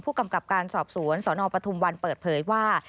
กำกับการสอบสวนสนปทุมวันเปิดเผยว่า